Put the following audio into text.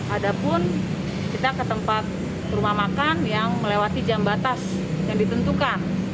ada pun kita ke tempat rumah makan yang melewati jam batas yang ditentukan